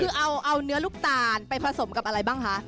คือเอาเนื้อลูกตาลไปผสมกับอะไรบ้างคะ